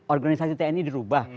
organisasi tni dirubah